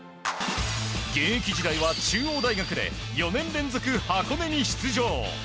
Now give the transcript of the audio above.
現役時代は中央大学で４年連続、箱根に出場。